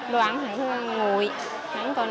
đoán thịt ngồi nắng còn nóng